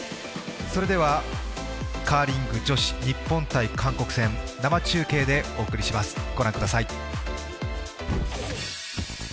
それではカーリング女子日本×韓国、生中継でお送りします。